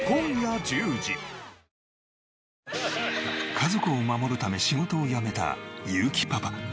家族を守るため仕事を辞めたゆうきパパ。